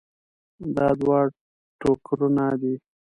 دا دوه ټوکرونه دي.